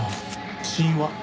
死因は？